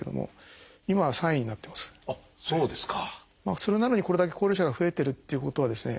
それなのにこれだけ高齢者が増えてるっていうことはですね